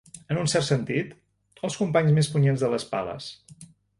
En un cert sentit, els companys més punyents de les pales.